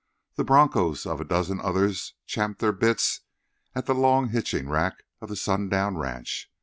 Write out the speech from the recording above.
The bronchos of a dozen others champed their bits at the long hitching rack of the Sundown Ranch.